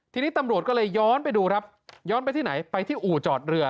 ทีนี้ตำรวจก็เลยย้อนไปดูครับย้อนไปที่ไหนไปที่อู่จอดเรือ